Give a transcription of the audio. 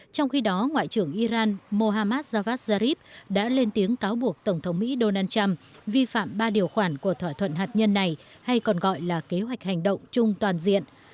trong khi đó ngoại trưởng iran mohammad javad zarif đã lên tiếng cáo buộc tổng thống mỹ donald trump vi phạm ba điều khoản của thỏa thuận hạt nhân này hay còn gọi là kế hoạch hành động chung toàn diện